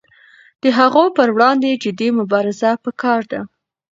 د هغو پر وړاندې جدي مبارزه پکار ده.